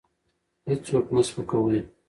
هېڅوک مه سپکوئ.